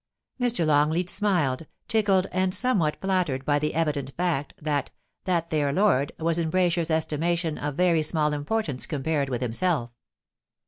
Mr. Longleat smiled, tickled and somewhat flattered by the evident fact, that * that there lord ' was in Braysher's estimation of very small importance compared with himself.